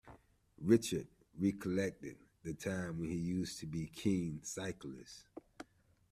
Richard recollected the time when he used to be a keen cyclist.